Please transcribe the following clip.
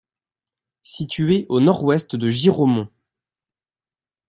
Situé au nord-ouest de Giraumont.